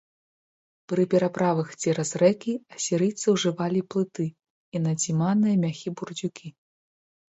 Пры пераправах цераз рэкі асірыйцы ўжывалі плыты і надзіманыя мяхі-бурдзюкі.